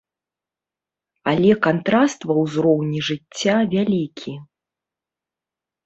Але кантраст ва ўзроўні жыцця вялікі.